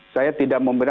saya tidak memilih